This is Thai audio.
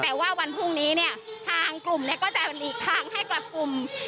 แต่ว่าวันพรุ่งนี้เนี่ยทางกลุ่มเนี่ยก็จะหลีกทางให้กับกลุ่ม